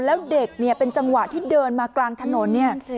แล้วเด็กเนี่ยเป็นจังหวะที่เดินมากลางถนนเนี่ย